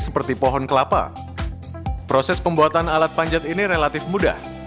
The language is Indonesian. perbuatan alat panjat ini relatif mudah